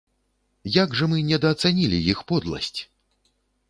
Як жа мы недаацанілі іх подласць!